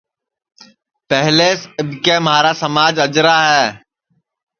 پہلیس اِٻکے مھارا سماج اجرا ہے